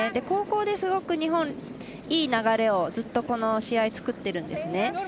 後攻ですごく日本、いい流れをずっとこの試合、作ってるんですね。